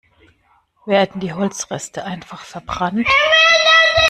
Werden die Holzreste einfach verbrannt?